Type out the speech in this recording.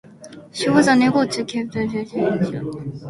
She was unable to keep ten seats and lost two.